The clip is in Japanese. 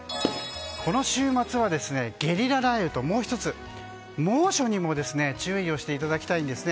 この週末は、ゲリラ雷雨ともう１つ、猛暑にも注意をしていただきたいんです。